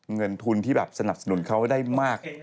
เงินทุนที่แบบสนับสนุนเขาได้มาก